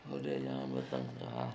udah jangan bertengkar